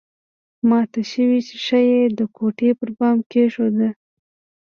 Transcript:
ماته شوې ښيښه يې د کوټې پر بام کېښوده